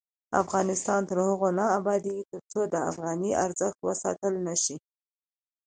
افغانستان تر هغو نه ابادیږي، ترڅو د افغانۍ ارزښت وساتل نشي.